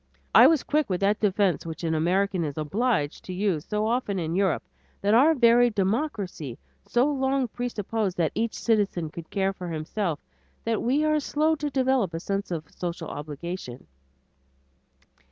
I was quick with that defense which an American is obliged to use so often in Europe, that our very democracy so long presupposed that each citizen could care for himself that we are slow to develop a sense of social obligation.